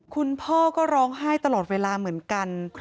คุณพ่อก็ร้องไห้ตลอดเวลาเหมือนกัน